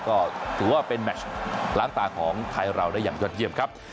ก็ถือว่าเป็นแมชล้างตาของไทยเราได้อย่างยอดเยี่ยมครับ